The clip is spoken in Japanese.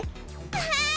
わい。